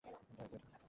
দয়া করে, থামো।